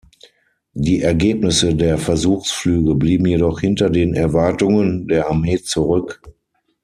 Die Ergebnisse der Versuchsflüge blieben jedoch hinter den Erwartungen der Armee zurück.